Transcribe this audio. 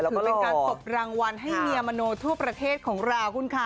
ถือเป็นการตบรางวัลให้เมียมโนทั่วประเทศของเราคุณค่ะ